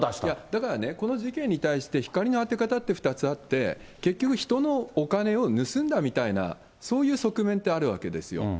だから、この事件に対して光の当て方って２つあって、結局、人のお金を盗んだみたいな、そういう側面ってあるわけですよ。